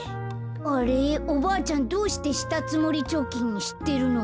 あれっおばあちゃんどうしてしたつもりちょきんしってるの？